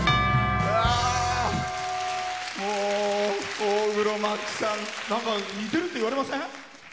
大黒摩季さんなんか似てるって言われません？